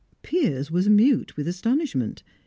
Piers was mute with astonishment.